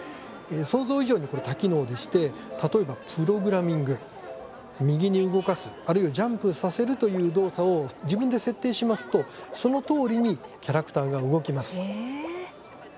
想像以上に多機能でして例えばプログラミング右に動かすあるいはジャンプさせるという動作を自分で設定しますとそのとおりにキャラクターが動きます。